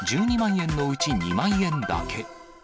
１２万円のうち２万円だけ。